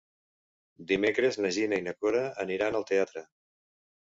Dimecres na Gina i na Cora aniran al teatre.